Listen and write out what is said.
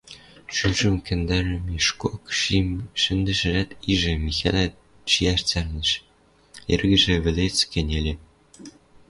Шӱмжӹм кӓндӓрӹмешкок шин шӹндӹшӓт ижӹ, Михӓлӓ шиӓш цӓрнӹш, эргӹжӹ вӹлец кӹньӹльӹ.